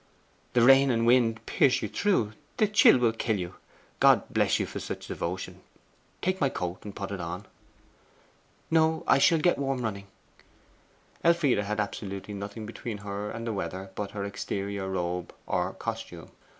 'The rain and wind pierce you through; the chill will kill you. God bless you for such devotion! Take my coat and put it on.' 'No; I shall get warm running.' Elfride had absolutely nothing between her and the weather but her exterior robe or 'costume.